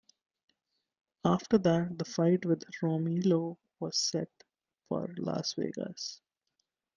After that, the fight with Romero was set for Las Vegas.